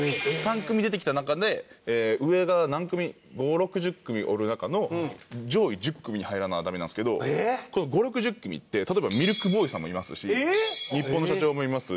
３組出てきた中で上が何組５０６０組おる中の上位１０組に入らなダメなんですけどこの５０６０組って例えばミルクボーイさんもいますしニッポンの社長もいます。